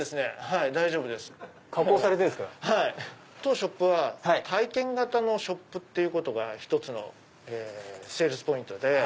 当ショップは体験型のショップってことが１つのセールスポイントで。